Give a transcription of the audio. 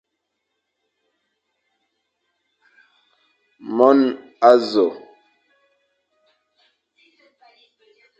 Mon azo.